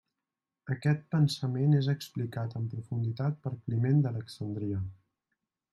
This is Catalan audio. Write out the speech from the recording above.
Aquest pensament és explicat en profunditat per Climent d'Alexandria.